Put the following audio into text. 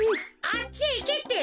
あっちへいけって！